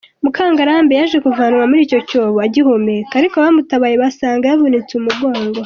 Mukangarambe yaje kuvanwa muri iki cyobo agihumeka, ariko abamutabaye basanga yavunitse umugongo.